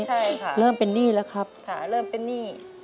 ใช่ค่ะเริ่มเป็นหนี้แล้วครับค่ะเริ่มเป็นหนี้